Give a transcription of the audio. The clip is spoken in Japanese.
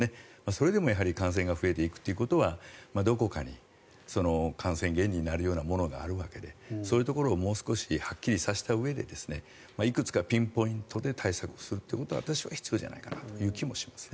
それでもやはり感染が増えていくということはどこかに感染源になるものがあるわけでそういうところをもう少しはっきりさせたうえでいくつかピンポイントで対策するということが私は必要じゃないかなと気もします。